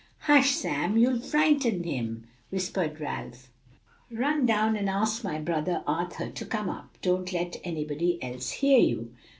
"Hush, Sam! you'll frighten him," whispered Ralph. "Run down and ask my brother Arthur to come up. Don't let anybody else hear you."